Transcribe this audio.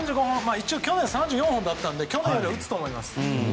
一応、去年３４本だったので去年よりは打つと思います。